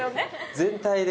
全体で。